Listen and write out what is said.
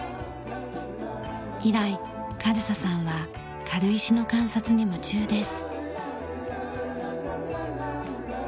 以来夏瑠沙さんは軽石の観察に夢中です。